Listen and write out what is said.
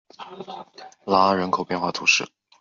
拉阿人口变化图示